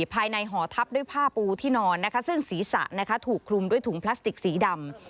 ภายในหอทับด้วยผ้าปูที่นอนนะคะซึ่งศีรษะถูกคลุมด้วยถุงพลาสติกสีดำ